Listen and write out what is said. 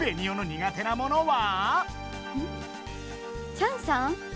チャンさん？